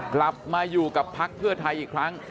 กลับมาอยู่กับพักเพื่อไทยอีกครั้ง